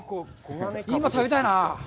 今、食べたいなあ。